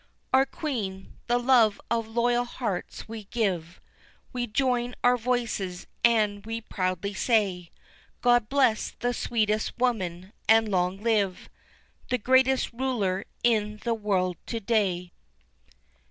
Our Queen! the love of loyal hearts we give, We join our voices and we proudly say, God bless the sweetest Woman and long live The greatest Ruler in the world to day!